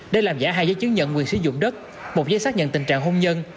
để làm giả hai giấy chứng nhận quyền sử dụng đất một giấy xác nhận tình trạng hôn nhân